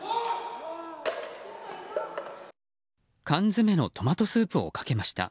缶詰のトマトスープをかけました。